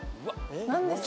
何ですか？